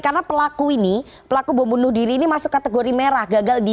karena pelaku ini pelaku bom bunuh diri ini masuk kategori merah